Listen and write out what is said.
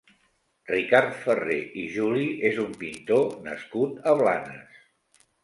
Ricard Ferrer i Juli és un pintor nascut a Blanes.